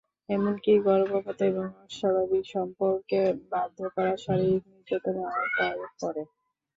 এমনকি গর্ভপাত এবং অস্বাভাবিক সম্পর্কে বাধ্য করা শারীরিক নির্যাতনের আওতায়ও পড়ে।